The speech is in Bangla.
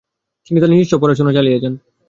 তিনি তার নিজস্ব পড়াশোনা চালিয়ে যান।